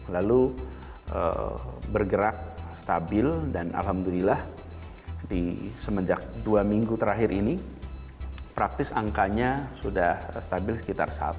lalu bergerak stabil dan alhamdulillah di semenjak dua minggu terakhir ini praktis angkanya sudah stabil sekitar satu